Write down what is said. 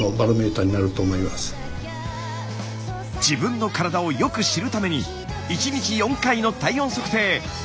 自分の体をよく知るために１日４回の体温測定！